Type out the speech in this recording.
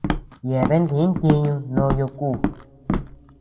Yeabean di ntiñu ndoyo ku.